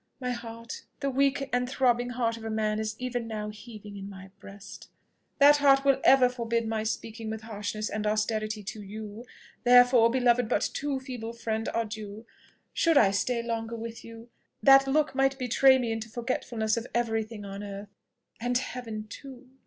My heart the weak and throbbing heart of a man is even now heaving in my breast. That heart will for ever forbid my speaking with harshness and austerity to you. Therefore, beloved but too feeble friend, adieu! Should I stay longer with you, that look might betray me into forgetfulness of every thing on earth and heaven too!"